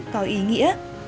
có ý nghĩa